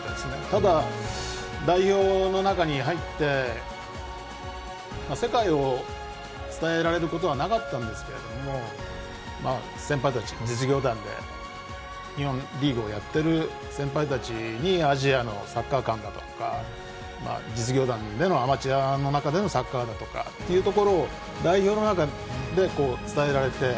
ただ、代表の中に入って世界を伝えられることはなかったんですけど先輩たち、実業団で日本リーグをやっている先輩たちにアジアのサッカー観だとか実業団でのアマチュアの中でのサッカーだとかというところを代表の中で伝えられて。